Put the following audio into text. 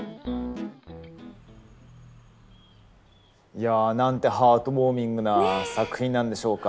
いやなんてハートウォーミングな作品なんでしょうか。